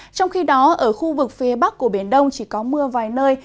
trong khi đó ở khu vực phía bắc của biển đông chỉ có mưa vài nơi